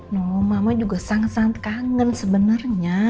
no mama juga sangat sangat kangen sebenarnya